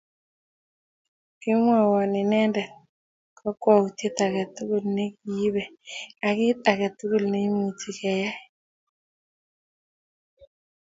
Kimwoun inyendet kokwoutiet age tugul ne kiibei ak kit age tugul neimuch keyai